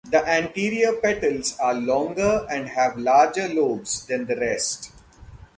The anterior petals are longer and have larger lobes than the rest.